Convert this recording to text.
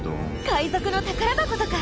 海賊の宝箱とか！？